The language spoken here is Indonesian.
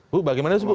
bu bagaimana sih bu